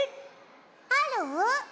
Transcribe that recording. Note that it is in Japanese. ある？